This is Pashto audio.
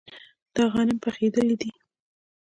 دا غنم پخیدلي دي.